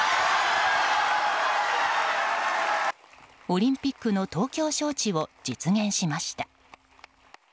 オリンピックの東京招致を実現しました。